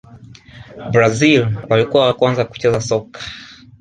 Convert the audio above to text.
brazil walikuwa wa kwanza kucheza soka